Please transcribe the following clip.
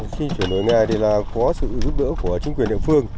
khi chuyển đổi nghề thì là có sự giúp đỡ của chính quyền địa phương